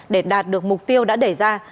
để đạt được mục tiêu đã đẩy ra